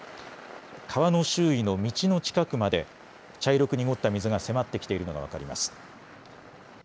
川の周囲の道の近くまで茶色く濁った水が迫ってきているのが分かります。